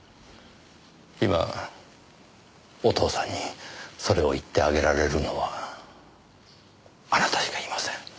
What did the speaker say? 今お父さんにそれを言ってあげられるのはあなたしかいません。